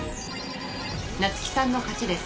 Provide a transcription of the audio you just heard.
ナツキさんの勝ちです。